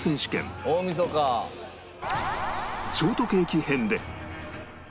ショートケーキ編で